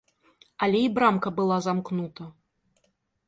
Але і брамка была замкнута.